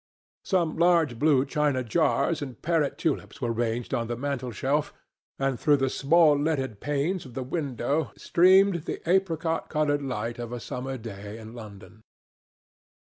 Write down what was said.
Some large blue china jars and parrot tulips were ranged on the mantelshelf, and through the small leaded panes of the window streamed the apricot coloured light of a summer day in London.